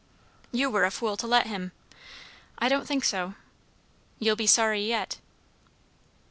"You were a fool to let him." "I don't think so." "You'll be sorry yet."